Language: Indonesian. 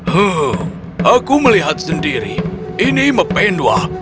hmm aku melihat sendiri ini mepenuh